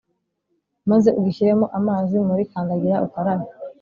maze ugishyiremo amazi muri kandagira ukarabe.